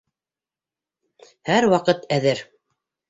Һәр ваҡыт әҙер...